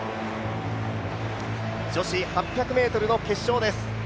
女子８００ｍの決勝です。